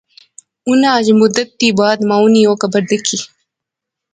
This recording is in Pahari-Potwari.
انی اج مدت تھی بعد مائو نی او قبر دیکھی